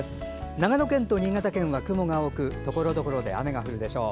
長野県と新潟県は雲が多くところどころで雨が降るでしょう。